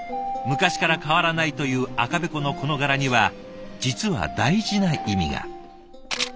昔から変わらないという赤べこのこの柄には実は大事な意味が。